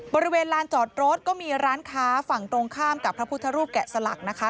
บริเวณลานจอดรถก็มีร้านค้าฝั่งตรงข้ามกับพระพุทธรูปแกะสลักนะคะ